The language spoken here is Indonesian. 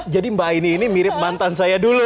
jadi mbak aini ini mirip mantan saya dulu